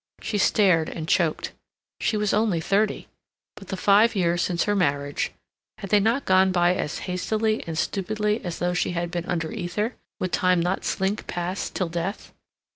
She stared and choked. She was only thirty. But the five years since her marriage had they not gone by as hastily and stupidly as though she had been under ether; would time not slink past till death?